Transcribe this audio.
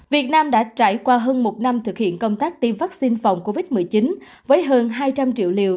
việt nam đã trải qua hơn một năm thực hiện công tác tiêm vaccine phòng covid một mươi chín với hơn hai trăm linh triệu liều